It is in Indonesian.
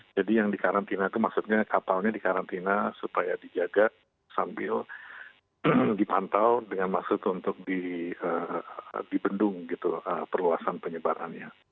jadi yang di karantina itu maksudnya kapalnya di karantina supaya dijaga sambil dipantau dengan maksud untuk dibendung gitu perluasan penyebarannya